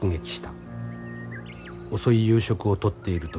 遅い夕食をとっている時